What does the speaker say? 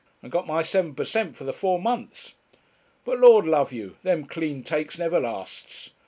and got my seven per cent, for the four months. But, Lord love you, them clean takes never lasts.